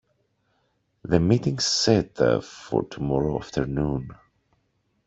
The meeting's set for tomorrow afternoon.